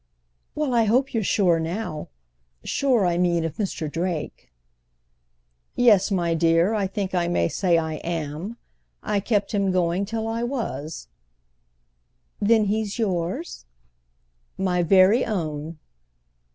"Well, I hope you're sure now. Sure, I mean, of Mr. Drake." "Yes, my dear, I think I may say I am. I kept him going till I was." "Then he's yours?" "My very own."